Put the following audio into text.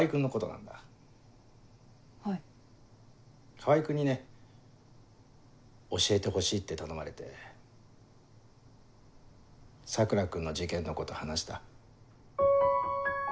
川合君にね教えてほしいって頼まれて桜君の事件のこと話した。